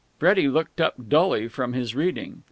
Freddie looked up dully from his reading.